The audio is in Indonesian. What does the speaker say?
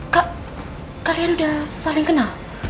kak kalian udah saling kenal